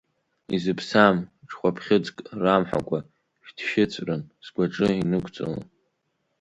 Изыԥсам ҽхәаԥхьыӡк рамҳәакәа, шәҭшьыҵәран сгәаҿы инықәҵала.